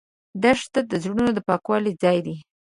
دښته د زړونو د پاکوالي ځای ده.